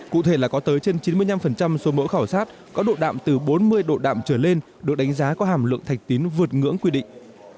cụ thể là có tới trên chín mươi năm số mẫu khảo sát có độ đạm từ bốn mươi độ đạm trở lên được đánh giá có hàm lượng thạch tín vượt ngưỡng quy định